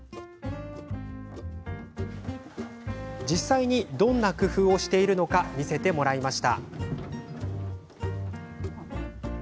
実際にどんな工夫をしているのか見せてもらいました。